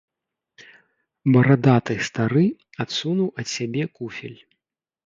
Барадаты стары адсунуў ад сябе куфель.